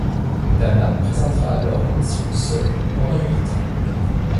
Dana présentera alors l'émission seul pendant huit ans.